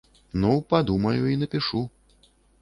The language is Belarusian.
Ну, падумаю і напішу.